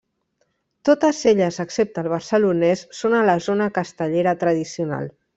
Totes elles excepte el Barcelonès són a la zona castellera tradicional.